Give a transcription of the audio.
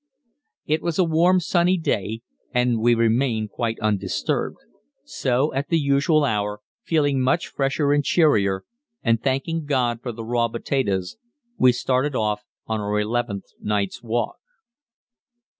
It was a warm, sunny day, and we remained quite undisturbed; so, at the usual hour, feeling much fresher and cheerier, and thanking God for the raw potatoes, we started off on our eleventh night's walk.